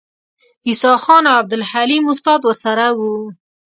عیسی خان او عبدالحلیم استاد ورسره وو.